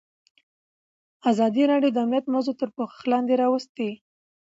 ازادي راډیو د امنیت موضوع تر پوښښ لاندې راوستې.